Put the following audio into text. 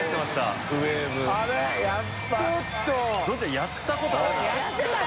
やったことあるな。